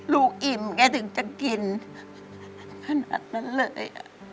อิ่มแกถึงจะกินขนาดนั้นเลย